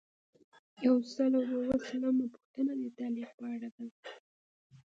یو سل او اووه لسمه پوښتنه د تعلیق په اړه ده.